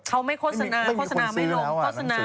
เค้าไม่โฆษณาไม่ลงไม่เข้าสนาไม่ลง